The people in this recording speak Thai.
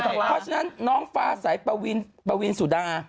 เพราะฉะนั้นน้องฟ้าสายปวีนสุดา